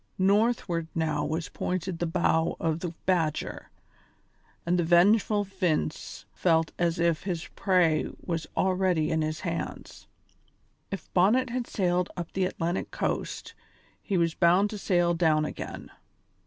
Northward now was pointed the bow of the Badger, and the vengeful Vince felt as if his prey was already in his hands. If Bonnet had sailed up the Atlantic coast he was bound to sail down again.